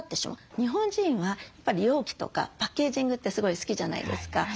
日本人は容器とかパッケージングってすごい好きじゃないですか。